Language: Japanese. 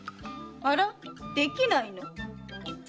あらできないの？